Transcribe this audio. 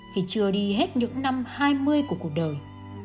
khi chưa đi hết những năm hai mươi của cuộc đời